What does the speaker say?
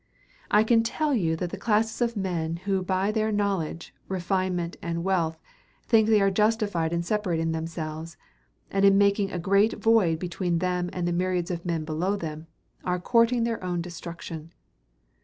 I can tell you that the classes of men who by their knowledge, refinement, and wealth think they are justified in separating themselves, and in making a great void between them and the myriads of men below them, are courting their own destruction.